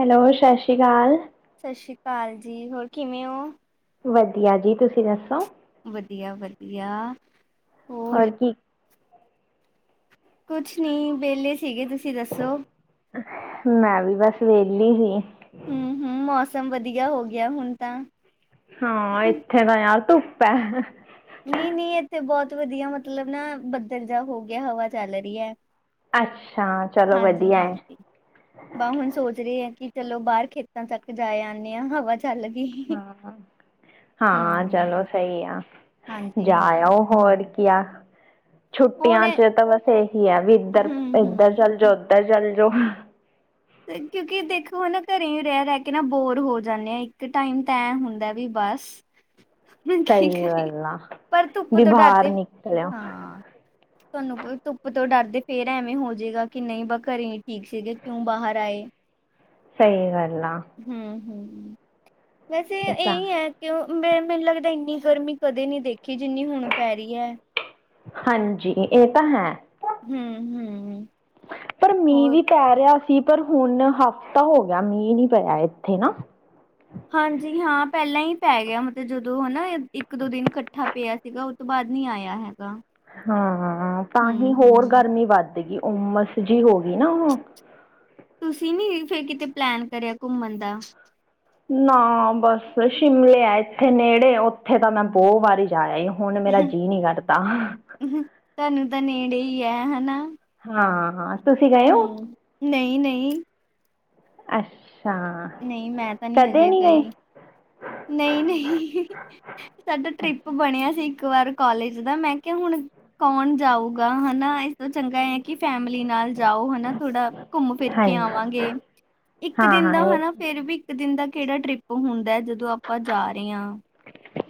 Hello! ਸਸੀ ਕਾਲ। ਸਸੀ ਅਕਾਲ ਜੀ। ਹੋਰ ਕਿਵੇਂ ਹੋ? ਵਧੀਆ ਜੀ। ਤੁਸੀ ਦੱਸੋ? ਵਧੀਆ-ਵਧੀਆ। ਹੋਰ ਕੀ? ਕੁਛ ਨੀ, ਵਿਹਲੇ ਸੀਗੇ। ਤੁਸੀ ਦੱਸੋ? ਮੈਂ ਵੀ ਬਸ ਵਿਹਲੀ ਹੀ। ਹੂੰ ਹੂੰ, ਮੌਸਮ ਵਧੀਆ ਹੋ ਗਿਆ, ਹੁਨ ਤਾਂ। ਹਾਂ! ਇੱਥੇ ਤਾਂ ਯਾਰ ਧੁੱਪ ਹੈ। ਨਈਂ-ਨਈਂ ਏਥੇ ਬੋਤ ਵਦੀਆ ਮਤਲਬ ਨਾ ਬੱਦਲ ਜਾ ਹੋ ਗੇਆ। ਹਵਾ ਚੱਲ ਰੀ ਐ। ਅੱਛਾ, ਚਲੋ ਵਦੀਐ। ਹਾਂਜੀ। ਬਸ ਹੁਨ ਸੋਚ ਰੀ ਆਂ ਕੇ ਚਲੋ ਬਾਰ ਖੇਤਾਂ ਤੱਕ ਜਾ ਆਨੇਂ ਆਂ ਹਵਾ ਚ ਚੱਲ ਗੀ। ਹਾਂ-ਹਾਂ-ਹਾਂ ਚਲੋ ਸਈ ਆ। ਹਾਂਜੀ ਜਾ ਹਾਂ। ਆਓ ਹੋਰ ਕੀ ਆ ਹੋਰ ਛੁੱਟੀਆਂ ਚ ਤਾਂ ਬਸ ਏਹੀ ਆ, ਵੀ ਇੱਦਰ ਹੂੰ ਏਦਰ ਹੂੰ। ਚੱਲ ਜਾਓ ਓਦਰ ਚੱਲ ਜਾਓ। ਕਿਓਂਕਿ ਦੇਖੋ ਓ ਹਨਾ ਘਰ ਤੇ ਵੀ ਰੈ-ਰੈ ਕੇ ਨਾ ਬੋਰ ਹੋ ਜਾਂਨੇਂ ਆ ਇੱਕ ਟਾਈਮ ਤਾਂ ਐਂ ਹੁੰਦਾ ਵੀ ਬਸ ਕੀ ਸਈ ਕਰੀਏ ਗੱਲ ਆ, ਪਰ ਧੁੱਪ ਵੀ ਤੋਂ ਬਾਹਰ ਨਿਕਲੇਓ। ਤੁਆਨੂੰ ਪਤਾ ਧੁੱਪ ਤੋਂ ਡਰਦੇ ਫੇਰ ਐਵੇਂ ਹੋ ਜੇਗਾ ਕੇ ਨਹੀਂ ਬਾ ਘਰੇ ਈ ਠੀਕ ਸੀਗੇ ਕਿਓਂ ਬਾਹਰ ਦਾਏ ਸਈ ਗੱਲ ਆ। ਹੂੰ-ਹੂੰ ਵੈਸੇ ਇਹ ਤਾਂ ਏਈਂ ਐ। ਕਿ ਮੈਨੂੰ ਲੱਗਦਾ ਇੰਨੀ ਗਰਮੀ ਕਦੇ ਨੀ ਦੇਖੀ ਜਿੰਨੀ ਹੁਨ ਪੈ ਰਈ ਐ। ਹਾਂਜੀ ਏ ਤਾਂ ਹੈ। ਹੂੰ-ਹੂੰ। ਪਰ ਮੀਂਹ ਵੀ ਪੈ ਰਿਆ ਸੀ ਪਰ ਹੁਨ ਹਫ਼ਤਾ ਹੋ ਗੇਆ ਮੀਂਹ ਨੀ ਪਿਆ ਏਥੇ ਨਾ। ਹਾਂਜੀ ਹਾਂ ਪੈਲਾਂ ਈ ਪੈ ਗਿਆ ਮਤਲਬ ਜਦੋਂ ਹਨਾ ਇੱਕ ਦੋ ਦਿਨ ਕੱਠਾ ਪਿਆ ਸੀਗਾ। ਬਾਦ ਨੀ ਆਏਆ ਹੈਗਾ। ਹਾਂ ਤਾਂਹੀ ਹੂੰ ਹੋਰ ਹੂੰ ਗਰਮੀ ਵੱਧਗੀ, ਉਮਸ ਜੀ ਹੋ ਗਈ ਨਾ ਹੁਨ। ਤੁਸੀਂ ਨੀ ਫੇਰ ਕਿਤੇ ਪਲੈਨ ਕਰਿਆ ਘੁੰਮਨ ਦਾ। ਨਾ ਬਸ ਸ਼ਿਮਲੇ ਐ ਏਥੇ ਨੇੜੇ, ਓਥੇ ਤਾਂ ਮੈਂ ਬੋ ਵਾਰੀ ਜਾ ਆਏ ਹੁਨ ਮੇਰਾ ਜੀਅ ਨੀ ਕਰਦਾ। ਤਾਨੂੰ ਤਾਂ ਨੇੜੇ ਈ ਐ ਹਨਾ। ਹਾਂ-ਹਾਂ ਤੁਸੀਂ ਗਏ ਓਂ। ਨਈ-ਨਈ। ਅੱਛਾ। ਨਈ ਮੈਂ ਤਾਂ ਨੀ ਕਦੇ ਹਜੇ ਗਏ ਗ‌ਈ, ਨ‌ਈ-ਨਈ। ਸਾਡਾ ਟ੍ਰਿਪ ਬਨੇਆ ਸੀ ਇੱਕ ਵਾਰ ਕੋਲਜ ਦਾ ਮੈਂ ਕਿਆ ਹੁਨ ਕੌਨ ਜਾਊਗਾ ਹਨਾ ਏਸ ਤੋਂ ਚੰਗਾ ਐ ਕੀ ਫੈਮਿਲੀ ਨਾਲ ਜਾਓ ਹਨਾ ਥੋੜਾ ਘੁੰਮ ਫਿਰ ਕੇ ਹਾਂਜੀ ਆਵਾਂਗੇ, ਇੱਕ ਹਾਂ ਦਿਨ ਹਾਂ ਦਾ ਹ ਇਹ ਫੇਰ ਵੀ ਇੱਕ ਦਿਨ ਦਾ ਕੇੜਾ ਟਰਿਪ ਹੁੰਦਾ ਜਦੋਂ ਆਪਾਂ ਜਾ ਰੇ ਆਂ।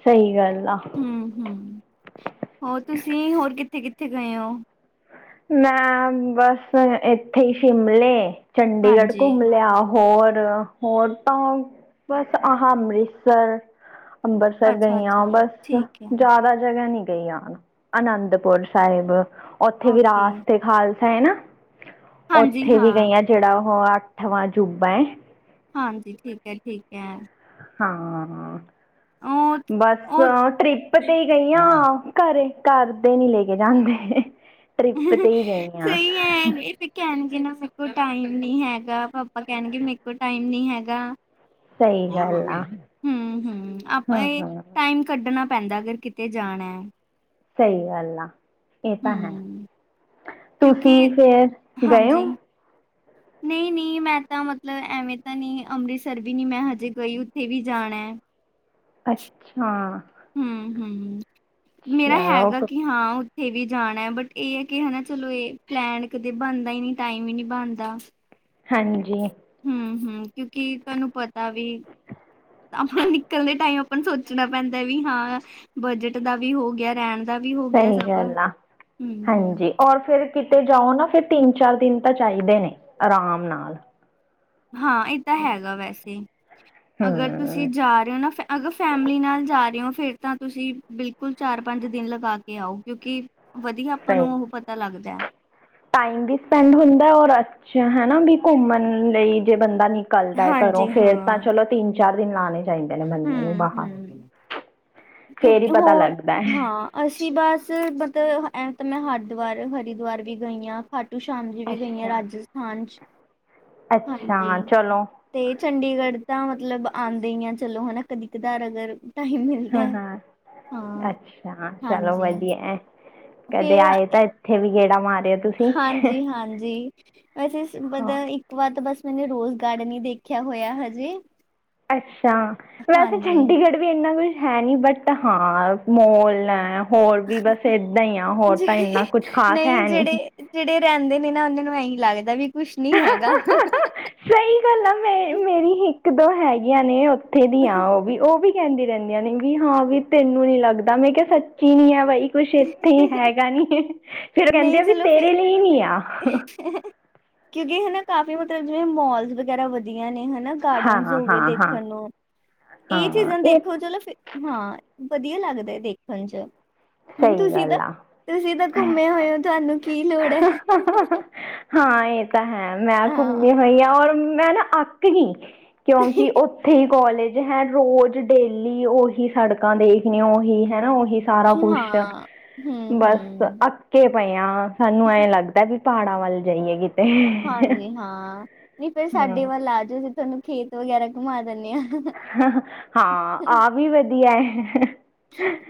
ਸ‌ਈ ਗੱਲ ਆ। ਹੂੰ- ਹੂੰ ਹੋਰ ਤੁਸੀਂ ਹੋਰ ਕਿੱਥੇ-ਕਿੱਥੇ ਗਏ ਓਂ। ਮੈਂ ਬਸ ਏਥੇ ਈ ਸ਼ਿਮਲੇ, ਚੰਡੀਗੜ੍ਹ ਘੁੰਮ ਹਾਂਜੀ, ਲਿਆ ਓ ਹੋਰ-ਹੋਰ ਤਾਂ ਬਸ ਆਹ ਅੰਮ੍ਰਿਤਸਰ ਅੰਬਰਸਰ ਗਈ ਆਂ ਅੱਛਾ-ਅੱਛਾ, ਬਸ, ਠੀਕ ਹੈ, ਜਾਦਾ ਜਗ੍ਹਾ ਨੀ ਗਈ ਆਂ। ਅਨੰਦਪੁਰ ਸਾਇਬ, ਓਥੇ ਓਕੇ, ਵਿਰਾਸਤ ਏ ਖਾਲਸਾ ਐ ਨਾ। ਹਾਂਜੀ ਓਥੇ ਵੀ ਹਾਂ, ਗਈ ਆਂ ਜੇੜਾ ਓਹ ਅੱਠਵਾਂ ਅਜੂਬਾ ਐ। ਹਾਂਜੀ ਠੀਕ ਐ-ਠੀਕ ਐ। ਹਾਂ, ਉਹ ਬਸ ਉਹ ਟ੍ਰਿਪ ਤੇ ਈ ਗਈ ਆਂ। ਕੌਣ? ਘਰੇ ਘਰਦੇ ਨੀ ਲੇ ਕੇ ਜਾਂਦੇ, ਟ੍ਰਿਪ ਤੇ ਈ ਗਈ ਆਂ। ਕੈਂਨਗੇ ਨਾ ਏਨਾ ਸਬ ਕੋ ਟਾਈਮ ਨੀ ਹੈਗਾ ਪਾਪਾ ਕੈਨਗੇ ਮੇਰੇ ਕੋਲ ਟਾਈਮ ਨੀ ਹੈਗਾ। ਸਹੀ ਹੁਨ ਗੱਲ ਮੰਮੀ ਆ ਹੂੰ-ਹੂੰ ਹੂੰ ਆਪੇ ਹੂੰ ਟਾਈਮ ਕੱਢਨਾ ਪੈਂਦਾ ਅਗਰ ਕਿਤੇ- ਤੇ ਜਾਣੈ। ਸਈ ਗੱਲ ਆ, ਏ ਤਾਂ ਹੈ, ਹੂੰ ਕਿਉਂਕਿ ਤੁਸੀਂ ਫੇਰ ਗਏ ਓ? ਨਈ-ਨਈ, ਮੈਂ ਤਾਂ ਮਤਲਬ ਐਵੇਂ ਤਾਂ ਨਈਂ ਅੰਮ੍ਰਿਤਸਰ ਵੀ ਨੀ 'ਮੈਂ ਹਜੇ ਗਈ, ਓਥੇ ਵੀ ਜਾਣੈ। ਅੱਛਆਂ। ਹੂੰ, ਹੂੰ ਮੇਰਾ ਚਲੋ ਹੈਗਾ ਕੀ ਹਾਂ ਓਥ ਥੇ ਵੀ ਜਾਣਾ ਐ ਬਟ, ਏ ਐ ਕੀ ਹਨਾ ਚਲੋ ਏ ਪਲੈਨ ਕਦੇ ਬਣਦਾ ਈ ਨੀ ਟਾਈਮ ਈ ਨੀ ਬਣਦਾ। ਹਾਂਜੀ। ਹੂੰ, ਹੂੰ ਕਿਉਕਿ ਤੁਹਾਨੂੰ ਪਤਾ ਵੀ ਆਪਾਂ ਨਿਕਲ ਦੇ ਟਾਈਮ, ਆਪਾਂ ਨੂੰ ਸੋਚਣਾ ਪੈਂਦਾ ਵੀ ਹਾਂ ਬਜਟ ਦਾ ਵੀ ਹੋਗਿਆ, ਰੈਣ ਦਾ ਵੀ ਹੋਗਿਆ ਸਹੀ ਸਭ, ਗੱਲ ਆ ਹੂੰ, ਹੂੰ। ਹਾਂਜੀ ਔਰ ਫੇਰ ਕਿਤੇ ਜਾਓ ਨਾ, ਫਿਰ ਤਿੰਨ-ਚਾਰ ਦਿਨ ਤਾਂ ਚਾਈਦੇ ਨੇ, ਆਰਾਮ ਨਾਲ। ਹਾਂ, ਏ ਤਾਂ ਹੈਗਾ ਵੈਸੇ, ਅਗਰ ਤੁਸੀਂ ਹੂੰ ਜਾਰੇ ਓ ਨਾ ਫ ਅਗਰ ਫੈਮਲੀ ਨਾਲ ਜਾਰੇ ਓੰ, ਫੇਰ ਤਾਂ ਤੁਸੀਂ ਬਿਲਕੁਲ ਚਾਰ-ਪੰਜ ਦਿਨ ਲਗਾਕੇ ਆਓ, ਕਿਉਂਕਿ ਵਧੀਆ ਆਪਾਂ ਸਹੀ ਨੂੰ, ਓ ਪਤਾ ਲੱਗਦੈ। ਟਾਈਮ ਵੀ ਸਪੈਂਡ ਹੁੰਦਾ, ਔਰ ਅੱਛ ਹਨਾ ਵੀ ਘੁੰਮਣ ਲਈ ਜੇ ਬੰਦਾ ਨਿਕ ਕਲਦਾ ਏ ਘਰੋਂ, ਹਾਂਜੀ ਫੇਰ ਤਾਂ ਹਾਂ ਚਲੋ ਤਿੰਨ-ਚਾਰ ਦਿਨ ਲਾਣੇ ਚਾਈਦੇ ਨੇ ਬੰਦੇ ਨੂੰ ਹੂੰ ਬਾਰ। ਹੂੰ ਫੇਰ ਈ ਕਿਉਂਕਿ ਪਤਾ ਹੋਰ ਲੱਗਦੈ। ਹਾਂ ਅਸੀਂ ਬਸ, ਮਤਲਬ ਐਂ ਤਾਂ ਮੈਂ ਹਰਿਦੁਆਰ -ਹਰਿਦੁਆਰ ਵੀ ਗਈ ਆਂ। ਖਾਟੂ ਸ਼ਾਮ ਜੀ ਵੀ ਗਈ ਆਂ, ਅੱਛਾ ਰਾਜਸਥਾਨ'ਚ ਅੱਛਾ ਹਾਂਜੀ। ਚਲੋ ਤੇ ਚੰਡੀਗੜ੍ਹ ਤਾਂ ਮਤਲਬ ਆਂਦੇ ਈ ਆਂ ਚਲੋ, ਹਨਾ ਕਦੀ-ਕਦਾਰ, ਅਗਰ ਟਾਈਮ ਮਿਲਦਾ ਹੈ। ਹਾਂ-ਹਾਂ, ਹਾਂ। ਅੱਛਾ ਚਲੋ ਹਾਂਜੀ ਵਧੀਆ ਐ, ਕਦੇ ਆਏ ਤਾਂ- ਏਥੇ ਵੀੇ ਗੇੜਾ ਮਾਰਿਓ। ਤੁਸੀਂ ਹਾਂਜੀ-ਹਾਂਜੀ, ਵੈਸੇ ਮਤਲਬ ਹਾਂ ਇੱਕ ਇੱਕ ਵਦ ਬਸ ਮੈਨੇ ਰੋਜ਼ ਗਾਰਡਨ ਹੀ ਦੇਖਿਆ ਹੋਇਆ, ਹਜੇ ਅੱਛਾ, ਵੈਸੇ ਹਾਂਜੀ। ਚੰਡੀਗੜ ਵੀ ਇੰਨਾ ਕੁਛ ਹੈ ਨੀ ਬਟ ਹਾਂ, ਮੋਲ ਹੈ ਹੋਰ ਵੀ ਬਸ ਏਦਾਂ ਹੀ ਆ, ਹੋਰ ਤਾਂ ਜਿਹੜੇ ਇੰਨਾ ਕੁਛ ਖ਼ਾਸ ਨਹੀਂ ਹੈ ਨੀ ਜਿਹੜੇ ਜਿਹੜੇ ਰਹਿੰਦੇ ਨੇ ਨਾ, ਉਹਨਾਂ ਨੂੰ ਇਹੀ ਲੱਗਦਾ ਵੀ ਕੁਛ ਨੀ ਹੈਗਾ। ਸਹੀ ਗੱਲ ਆ, ਮੈਂ, ਮੇਰੀ ਇੱਕ-ਦੋ ਹੈਗੀਆਂ ਨੇ ਉੱਥੇ ਦੀਆਂ ਉਹ ਵੀ, ਉਹ ਵੀ ਕਹਿੰਦੀ ਰਹਿੰਦੀਆਂ ਨੇ, ਵੀ ਹਾਂ ਵੀ ਤੈਨੂੰ ਨੀ ਲੱਗਦਾ ''ਮੈਂ ਕਿਹਾ ਸੱਚੀ ਨੀ ਹੈ ਬਾਈ ਕੁਛ ਇੱਥੇ ਹੀ ਹੈਗਾ ਨੀ, ਫੇਰ ਕਹਿੰਦੇ ਨਹੀਂ ਆ ਵੀ ਚਲੋ ਫੇ ਤੇਰੇ ਲਈ ਨੀ ਆ [unintelligible] ਕਿਉਂਕਿ, ਹਨਾ ਕਾਫੀ ਮਤਲਬ ਜਿਵੇਂ ਮੋਲਸ ਵਗੈਰਾ ਵਧੀਆ ਨੇ, ਹਨਾ ਹਾਂ ਗਾਰਡਨ ਹਾਂ ਹੋ ਗਏ ਹਾਂ ਹਾਂ ਦੇਖਣ ਨੂੰ‌। ਇਹ ਹਾਂ ਚੀਜ਼ਾਂ ਇਹ ਦੇਖੋ ਤਾਂ ਚਲੋ, ਹਾਂ, ਵਧੀਆ ਲੱਗਦਾ ਦੇਖਣ 'ਚ। ਹੁਣ ਸਹੀ ਤੁਸੀਂ ਤਾਂ, ਗੱਲ ਆ ਤੁਸੀਂ ਤਾਂ ਘੁੰਮੇ ਹੋਏ ਹੋ, ਤੁਹਾਨੂੰ ਕੀ ਲੋੜ ਹੈ ਹਾਂ, ਇਹ ਤਾਂ ਹੈ ''ਮੈਂ ਹਾਂ ਘੁੰਮੀ ਹੋਈ ਹਾਂ, ਔਰ ਮੈਂ ਨਾ ਅੱਕ ਗਈ, ਕਿਉਂਕਿ ਉੱਥੇ ਹੀ ਕੋਲੇਜ ਹੈ, ਰੋਜ਼ ਡੇਲੀ ਉਹੀ ਸੜਕਾਂ ਦੇਖਣੀ, ਉਹੀ ਹੈਨਾ ਉਹੀ ਸਾਰਾ ਕੁਛ, ਹਾਂ ਹੂੰ ਬਸ ਹੂੰ ਅੱਕੇ ਪਏ ਆਂ। ਹੁਣ ਐਂ ਲੱਗਦਾ, ਵੀ ਪਹਾੜਾਂ ਵੱਲ ਜਾਈਏ ਕਿ ਹਾਂਜੀ-ਹਾਂ, ਨਹੀਂ ਫੇਰ ਹਾਂ ਸਾਡੇ ਵੱਲ ਆਜੋ, ਅਸੀਂ ਤੁਹਾਨੂੰ ਖੇਤ ਵਗੈਰਾ ਘੁੰਮਾ ਦਿੰਨੇ ਆਂ। ਹਾਂ, ਆਹ ਵੀ ਵਧੀਆ ਏ।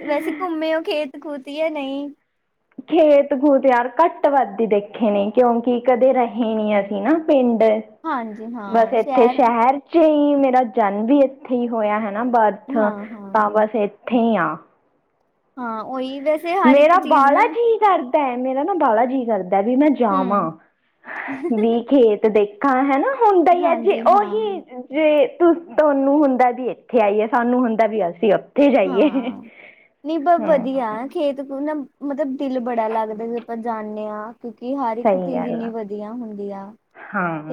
ਵੈਸੇ ਘੁੰਮੇ ਓ ਖੇਤ-ਖੂਤ, ਯਾ ਨਹੀਂ। ਖੇਤ-ਖੂਤ ਯਾਰ, ਘੱਟ ਵੱਧ ਈ ਦੇਖੇ ਨੇ, ਕਿਉਂਕਿ ਕਦੇ ਰਹੇ ਨੀ ਅਸੀਂ ਨਾ ਪਿੰਡ। ਹਾਂਜੀ ਬਸ ਹਾਂ ਇੱਥੇ ਸ਼ਹਿਰ ਠੀ ਮੇਰਾ ਜਨਮ ਵੀ ਇੱਥੇ ਹੀ ਹੋਇਆ ਹਾਂ ਬਰਥ ਹਾਂ ਹਾਂ ਤਾਂ ਬਸ ਇੱਥੇ ਹੀ ਆ ਹਾਂ ਉਹੀ ਵੈਸ ਮੇਰਾ ਬਾਲਾ ਜੀ ਕਰਦਾ ਮੇਰਾ ਨਾ ਬਾਹਲਾ ਜੀ ਕਰਦਾ ਵੀ ਮੈਂ ਜਾਵਾਂ ਹੂੰ ਵੀ ਖੇਤ ਦੇਖ ਦੇਖਾ ਹੈਨਾ ਹੁੰਦਾ ਹੀ ਹੈ ਜੇ ਹਾਂਜੀ ਹਾਂ ਉਹੀ ਜੇ ਤੁ ਤੁਹਾਨੂੰ ਹੁੰਦਾ ਵੀ ਇੱਥੇ ਆਈਏ ਸਾਨੂੰ ਹੁੰਦਾ ਵੀ ਅਸੀਂ ਉ ਉੱਥੇ ਜਾਈਏ ਹਾਂ ਨਹੀਂ ਬ ਹਾਂ ਵਧੀਆ ਖੇਤ ਤੋਂ ਮਤਲਬ ਦਿਲ ਬੜਾ ਲੱਗਦਾ ਜਦ ਆਪਾਂ ਜਾਂਦੇ ਹਾਂ ਕਿਉਕਿ ਹਰ ਇੱਕ ਸਹੀ ਚੀਜ਼ ਗੱਲ ਇੰਨੀ ਆ ਵਧੀਆ ਹੁੰਦੀਆ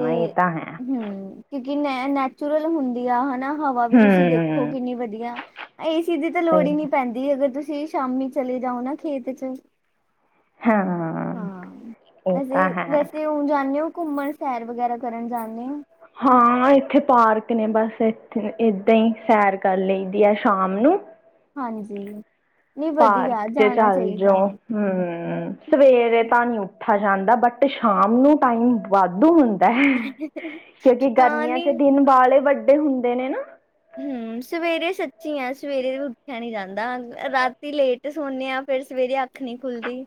ਤੇ ਇਹ ਤਾਂ ਹੈ ਹਮ ਕਿਉਂਕਿ ਨੈ' ਨੈਚੁਰਲ ਹੁੰਦੀ ਆ ਹਨਾ ਹਵਾ ਵੀ ਤੁਸੀਂ ਦੇਖੋ ਹਮ ਕਿੰਨੀ ਵਧੀਆ ਏਸੀ ਦੀ ਤਾਂ ਸਹੀ ਲੋੜ ਹੀ ਨੀ ਹੈ। ਪੈਂਦੀ ਅਗਰ ਤੁਸੀਂ ਸ਼ਾਮੀ ਚਲੇ ਜਾਓ ਨਾ ਖੇਤ 'ਚ ਹਾਂ ਹਾਂ ਇਹ ਤਾਂ ਵੈਸੇ ਹੈ ਵੈਸੇ ਹੁੰ ਜਾਂਦੇ ਹੋ ਘੁੰਮਣ ਸੈਰ ਵਗੈਰਾ ਕਰਨ ਜਾਂਦੇ ਓ ਹਾਂ ਇੱਥੇ ਪਾਰਕ ਨੇ ਬਸ ਇਥੇ ਏਦਾਂ ਸੈਰ ਕਰ ਲਈ ਦੀ ਹੈ ਸ਼ਾਮ ਨੂੰ ਹਾਂਜੀ ਨਹੀਂ ਵਧੀਆ ਪਾਰਕ 'ਚ' ਜਾਣਾ ਚੱਲ ਚਾਹੀਦਾ ਜਾਓ ਹਮ ਸਵੇਰੇ ਤਾਂ ਨੀ ਉੱਠਾ ਜਾਂਦਾ ਬਟ ਸ਼ਾਮ ਨੂੰ ਟਾਈਮ ਵਾਧੂ ਹੁੰ ਤੈ ਕਿਉਂਕਿ ਹਾਂ ਗਰਮੀਆਂ ਨਹੀਂ 'ਚ' ਦਿਨ ਵਾਲੇ ਵੱਡੇ ਹੁੰਦੇ ਨੇ ਨਾ ਹਮ ਸਵੇਰੇ ਸੱਚੀ ਆ ਸਵੇਰੇ ਉੱਠਿਆ ਨੀ ਜਾਂਦਾ ਰਾਤੀ ਲੇਟ ਤੇ' ਸੋਨੇ ਆ ਫੇਰ ਸਵੇਰੇ ਅੱਖ ਨੀ ਖੁੱਲਦੀ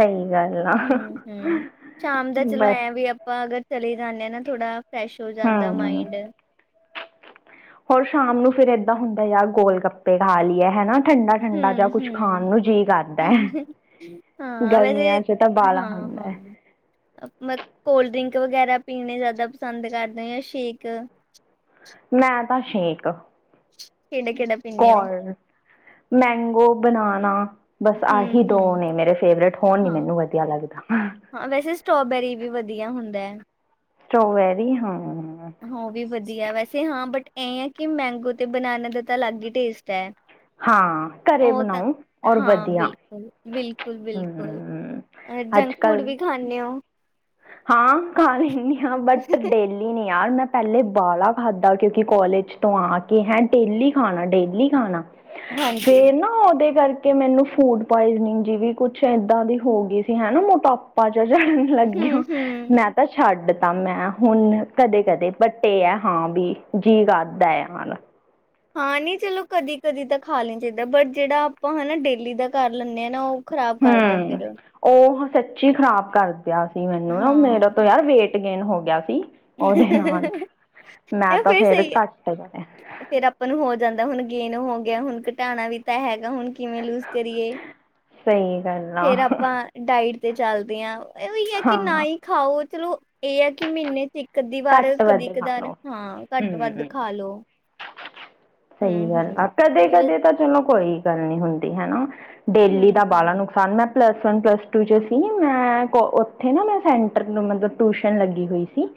ਸਹੀ ਗੱਲ ਆ ਹਮ-ਹਮ ਸ਼ਾਮ ਦਾ ਚਲੋ ਬਸ ਐਂ ਵੀ ਅਪ ਆਪਾਂ ਅਗਰ ਚਲੇ ਜਾਂਦੇ ਹਾਂ ਨਾ ਥੋੜਾ ਫਰੈਸ਼ ਹੋ ਜਾਂਦਾ ਹਮ ਮਾਇੰਡ ਹੋਰ ਸ਼ਾਮ ਨੂੰ ਫਿਰ ਏਦਾਂ ਹੁੰਦਾ ਯਾਰ ਗੋਲ ਗੱਪੇ ਖਾ ਲਈਏ ਹੈਨਾ ਠੰਡਾ ਠੰਡਾ ਜਾਂ ਹੂੰ, ਕੁਛ ਖਾਣ ਹੂੰ। ਨੂੰ ਜੀਅ ਕਰਦਾ। ਹਾਂ, ਵੈਸੇ ਗਰਮੀਆਂ 'ਚ ਐ ਤਾਂ ਬਾਲਾ ਖਾਂਦਾ ਹੈ। ਮ ਕੋਲਡ ਡਰਿੰਕ ਵਗੈਰਾ ਪੀਣੇ ਜ਼ਿਆਦਾ ਪਸੰਦ ਕਰਦੇ ਹੋ ਜਾਂ ਸ਼ੇਕ ਮੈਂ ਤਾਂ ਸ਼ੇਕ ਕਿਹੜਾ-ਕਿਹੜਾ ਪੀਂਦੇ ਹੋ? ਕੌਲ ਮੈਂਗੋ ਬਣਾਨਾ ਬਸ ਹੂੰ, ਆਹੀਂ ਦੋਂ ਹੂੰ ਨੇ ਮੇਰੇ ਫੇਵਰੇਂਟ ਹੋਰ ਨੀਂ ਹਾਂ, ਮੈਨੂੰ ਅਛ ਵਧੀਆ ਲੱਗਦਾ ਵਾ ਹਾਂ ਵੈਸੇ ਸਟ੍ਰੋਬੇਰੀ ਵੀ ਵਧੀਆ ਹੁੰਦਾ ਐ ਸਟੋਬੈਰੀ ਹਾਂ। ਹਾਂ ਵੀ ਵਧੀਆ ਵੈਸੇ ਹਾਂ ਬਟ ਐੰ ਕਿ ਮੈਂਗੋ ਤੇ ਬਨਾਨਾ ਦਾ ਤਾਂ ਅਲੱਗ ਹੀ ਟੇਸਟ ਹੈ। ਹਾਂ ਘਰੇ ਉਹ ਤਾ ਬਣਾਉ ਔਰ ਹਾਂ ਵਧੀਆ ਬਿਲਕੁਲ ਬਿਲਕੁਲ ਬਿਲਕੁਲ ਹਮ ਅ ਅੱਜ ਜੰਗ ਫੂਡ ਕੱਲ ਵੀ ਖਾਨੋ ਹੋ? ਹਾਂ ਖਾਂ ਲੈਂਨੀ ਆ ਬਟ, ਡੇਲੀ ਨੀ ਨੀ ਯਾਰ, ਮੈਂ ਪਹਿਲੇਂ ਵਾਲਾਹਲਾਂ ਖਾਧਾ ਕਿਉਂਕਿ ਕਾਲਜ ਤੋਂ ਆ ਕੇ ਹੈਂ ਡੇਲੀ ਖਾਣਾ ਡੇਲੀ ਖਾਣਾ ਹਾਂਜੀ। ਫੇਰ, ਨਾ ਉਹਦੇ ਕਰ ਕਿ ਮੈਨੂੰ ਫੂਡ ਪੁਆਇਜ਼ਨਿੰਗ ਜੀ ਵੀ ਕੁੱਛ ਇੱਦਾਂ ਦੀ ਹੋ ਗਈ ਸੀ ਹੈਨਾ ਮੋਟਾਪਾ ਜਾਂ ਲੱਗਗੇ। ਹੂੰ ਹੂੰ ਮੈਂ ਤਾਂ ਛੱਡਤਾ ਮੈਂ ਹੁਣ ਕਦੇ ਕਦੇ ਵੱਟ ਇਹ ਐ ਹਾਂ ਵੀ ਜੀ ਕਰਦਾ ਐ ਮਾਨਾ ਹਾਂ ਨੀ ਚਲੋ ਕਦੀ ਕਦੀ ਤਾਂ ਖਾ ਲੈਣਾ ਚਾਹੀਦਾ ਬਟ ਜਿਹੜਾ ਆਪਾਂ ਹੈਨਾ ਡੇਲੀ ਦਾ ਕਰ ਲੈਂਦੇ ਹਾਂ ਨਾ ਉਹ ਖ਼ਰਾਬ ਕਰਦਾ ਹਮ ਫਿਰ ਉਹ ਸੱਚੀ ਖ਼ਰਾਬ ਕਰਦਾ ਸੀ ਮੈਨੂੰ ਨਾ ਮੇਰਾ ਹਾਂ ਤੋਂ ਯਾਰ ਵੇਟ ਤੇ ਗੇਨ ਹੋ ਗਿਆ ਸੀ ਉਹਦੇ ਨਾਲ ਮੈਂ ਇਹ ਤਾਂ ਫਿਰ ਫੇਰ ਸਹੀ ਹੈ। ਘੱਟ ਕਰਿਆ। ਫੇਰ ਆਪਾਂ ਨੂੰ ਹੋ ਜਾਂਦਾ ਹੁਣ ਗੇਨ ਹੋ ਗਿਆ ਹੁਣ ਘਟਾਉਂਣਾ ਵੀ ਹੈਗਾ ਹੁਣ ਕਿਵੇਂ ਲੂਜ ਕਰੀਏ, ਸਹੀ ਗੱਲ ਆ ਫੇਰ ਆਪਾਂ ਡਾਇਟ ਤੇ ਚੱਲਦੇ ਆਂ। ਇਹ ਵੀ ਆ ਕੇ ਨਾ ਹਾਂ ਈ ਖਾਓ। ਚਲੋ ਇਹ ਆ ਕਿ ਮਹੀਨੇ 'ਚ ਇੱਕ ਕਧੀ ਵਾਰ ਘੱਟ ਵੱਧ ਖਾ ਕਦੀ-ਕਦਾਰ, ਲਓ ਹਾਂ ਘੱਟ-ਵੱਧ ਹਮ ਖਾ ਲੋੋ। ਸਹੀ ਗੱਲ, ਆ ਵੇ- ਕਦੇ-ਕਦੇ ਤਾਂ ਚਲੋ, ਕੋਈ ਗੱਲ ਨੀ ਹੁੰਦੀ ਹਨਾ। ਡੇਲੀ ਹੂੰ ਦਾ ਬਾਲਾਂ ਹੂੰ ਨੁਕ ਥਨ ਮੈਂ ਪਲਸ ਵਨ, ਪਲਸ ਟੂ 'ਚ ਸੀ, ਮੈਂ ਕੋ ਉੱਥੇ ਨਾ, ਮੈਂ ਸੈਂਟਰ ਨੂੰ ਮਤਲਬ ਟਿਊਸ਼ਨ ਲੱਗੀ ਹੋਈ। ਸੀ,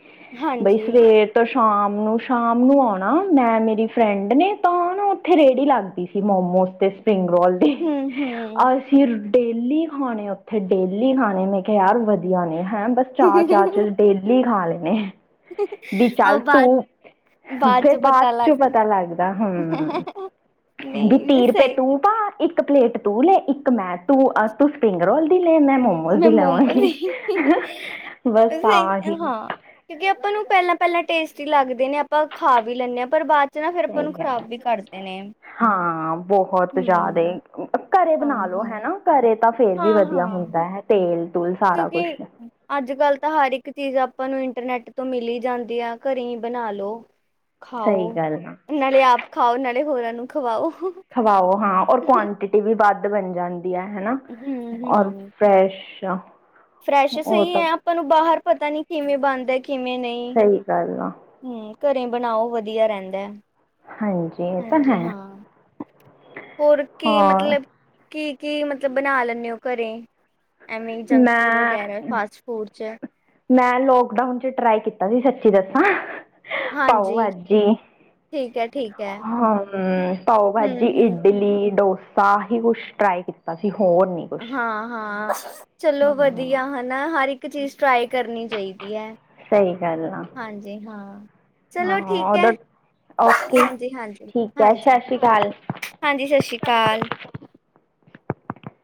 ਬਈ ਹਾਂਜੀ ਸਵੇਰ ਤੋ ਸ਼ਾਮ ਨੂੰ, ਸ਼ਾਮ ਨੂੰ ਆਉਂਣਾ ਮੈਂ ਮੇਰੀ ਫਰੈਂਡ ਨੇ ਤਾਂ ਨਾ ਉੱਥੇ ਰੇੜੀ ਲੱਗਦੀ ਸੀ, ਮੋਮੋਜ ਤੇ, ਸਪਰਿੰਗ ਰੋਲ ਦੀ, ਹੂੰ ਹੂੰ ਆ ਫਿਰ ਡੇਲੀ ਖਾਣੇ ਉੱਥੇ, ਡੇਲੀ ਖਾਣੇ, ਮੈਂ ਕਿਹਾ ਯਾਰ ਵਧੀਆ ਨੇ ਹੈਂ ਬ- ਚਾਅ-ਚਾਅ 'ਚ ਡੇਲੀ ਖਾ ਲੈਣੇ, ਵੀ ਉਹ ਚੱਲ ਬਾਅਦ ਤੂੰ, ਫੇਰ ਚ ਬਾਅਦ ਪਤਾ ਚੋਂ ਲੱਗ ਪਤਾ ਲੱਗਦਾ ਹੂੰ, ਵੀ ਨਹੀਂ ਜੇ ਤੀਹ ਰੁਪਏ ਸਹੀ ਤੂੰ ਤਾਂ ਇੱਕ ਪਲੇਟ ਤੂੰ ਲੈ, ਇੱਕ ਮੈਂ, ਤੂੰ ਅ ਤੂੰ ਸਪਰਿੰਗ ਰੋਲ ਦੀ ਲੇ, ਮੈਂ ਮੋਮੋ ਮੈਂ ਮੋਮੋ ਨਹੀਂ-ਨਹੀਂ ਬਸ ਐ ਆਹੀ ਹਾਂ। ਕਿਉਂਕਿ, ਆਪਾਂ ਨੂੰ ਪਹਿਲਾਂ-ਪਹਿਲਾਂ ਟੇਸਟੀ ਲੱਗਦੇ ਨੇ, ਆਪਾਂ ਉਹ ਖਾ ਵੀ ਲੈਂਨੇ ਆ, ਪਰ ਬਾਅਦ ਤੇ ਨਾ ਫੇਰ ਆਪਾਂ ਸਹੀ ਨੂੰ ਗੱਲ ਹੈ ਖ਼ਰਾਬ ਵੀ ਕਰਦੇ ਨੇ। ਹਾਂ, ਬਹੁਤ ਜ਼ਾਦੇ, ਹੂੰ ਘਰੇ ਹਾਂ ਬਣਾ ਲੋ ਹਾਂ ਹੈਨਾ। ਘਰੇ ਤਾਂ ਫੇਰ ਵੀ ਵਧੀਆ ਹਾਂ-ਹਾਂ ਹੁੰਦਾ ਹੈ, ਤੇਲ-ਤੂਲ ਸਾਰਾ ਕੁਛ। ਅੱਜ-ਕੱਲ੍ਹ ਤਾਂ ਹਰ ਇੱਕ ਚੀਜ਼ ਆਪਾਂ ਨੂੰ ਇੰਟਰਨੈਟ ਤੋਂ ਮਿਲੀ ਜਾਂਦੀ ਆ, ਘਰੇ ਈ ਬਣਾ ਲੋ। ਸਹੀ ਖਾਓ, ਗੱਲ ਆ ਨਾਲੇ ਆਪ ਖਾਓ, ਨਾਲੇ ਹੋਰਾਂ ਨੂੰ ਖਵਾਓ। ਖਵਾਓ ਹਾਂ, ਔਰ ਕੁਆਂਟਿਟੀ ਵੀ ਵੱਧ ਬਣ ਜਾਂਦੀ ਐ ਹਨਾ। ਔਰ ਹੂੰ-ਹੂੰ ਫਰੈਸ਼ ਆ। ਫਰੈਸ਼ ਸਹੀ ਏ, ਆਪਾਂ ਨੂੰ ਬਾਹਰ ਪਤਾ ਨੀ ਕਿਵੇਂ ਬਣਦੇ, ਕਿਵੇਂ ਨਹੀਂ। ਸਹੀ ਗੱਲ ਆ। ਹੂੰ, ਘਰੇਂ ਬਣਾਓ ਵਧੀਆ ਰਹਿੰਦਾ। ਹਾਂਜੀ, ਇਹ ਤਾਂ ਹਾਂਜੀ ਹੈ। ਹਾਂ ਹੋਰ ਕੀ ਹੋਰ ਮਤਲਬ, ਕੀ-ਕੀ ਮਤਲਬ ਬਣਾ ਲੈਂਨੇ ਓ ਘਰੇ। ਐਵੇਂ ਜੰਕ-ਫੂਡ ਮੈਂ ਵਗੈਰਾ, ਫਾਸਟ-ਫੂਡ 'ਚ ਮੈਂ ਲੋਕਡਾਊਨ 'ਚ ਟਰਾਈ ਕੀਤਾ ਸੀ, ਸੱਚੀ ਦੱਸਾਂ ਪਾਉ ਹਾਂਜੀ ਭਾਜੀ। ਠੀਕ ਐ, ਠੀਕ ਐ। ਹਮ, ਪਾਓ ਭਾਜੀ, ਇਡਲੀ, ਡੋਸ ਤਾਂ ਆਹੀ ਕੁਛ ਟਰਾਈ ਕੀਤਾ ਸੀ, ਹੋਰ ਨੀ। ਕੁਛ ਹਾਂ-ਹਾਂ, ਚਲੋ ਵਧੀ ਹਮ ਧੀਆ ਹਨਾ। ਹਰ ਇੱਕ ਚੀਜ਼ ਟਰਾਈ ਕਰਨੀ ਚਾਈਦੀ ਐ। ਸਹੀ ਗੱਲ ਆ ਹਾਂਜੀ ਹਾਂ, ਹਾਂ ਚਲੋ ਠੀਕ ਐ। ਉਧਰ ਓਕੇ ਹਾਂਜੀ-ਹਾਂਜੀ, ਠੀਕ ਹੈ ਹਾਂਜੀ-ਹਾਂਜੀ, ਸਤਿ ਸ਼੍ਰੀ ਅਕਾਲ ਸ਼ਾਸਰੀ ਕਾਲ।